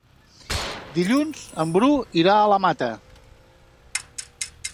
Dilluns en Bru irà a la Mata.